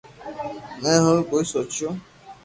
مون ھارو ڪوئي سوچو